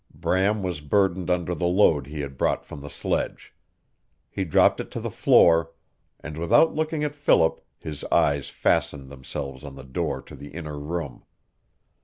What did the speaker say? Bram was burdened under the load he had brought from the sledge. He dropped it to the floor, and without looking at Philip his eyes fastened themselves on the door to the inner room.